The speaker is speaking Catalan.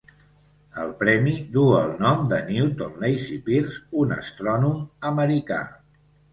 El premi duu el nom de Newton Lacy Pierce, un astrònom americà.